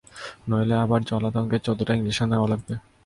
নইলে আবার জলাতঙ্কের চোদ্দটা ইনজেকশন নেওয়া লাগবে।